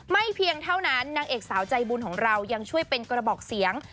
เพียงเท่านั้นนางเอกสาวใจบุญของเรายังช่วยเป็นกระบอกเสียง